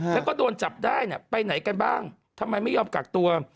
แล้วก็โดนจับได้ไปไหนกันบ้างทำไมไม่ยอมกักตัว